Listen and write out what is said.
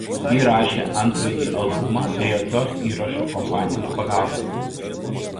Ji įrašė antrąjį albumą be jokios įrašų kompanijos pagalbos.